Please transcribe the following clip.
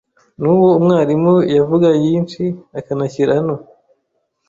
Nuwo umwarimu yavuga yinshi akanaishyira no